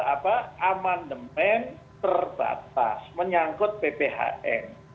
apa amandemen terbatas menyangkut pphn